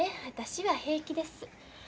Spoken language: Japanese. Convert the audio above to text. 私は平気です。